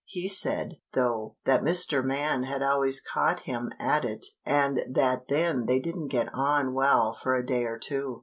He said, though, that Mr. Man had always caught him at it and that then they didn't get on well for a day or two.